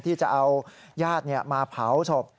ที่จะเอาญาติมาเผาศพ